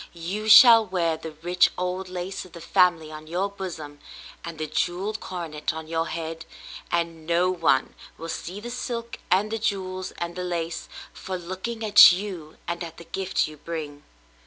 You shall wear the rich old lace of the family on your bosom, and the jewelled coronet on your head ; and no one will see the silk and the jewels and the lace, for looking at you and at the gift you bring.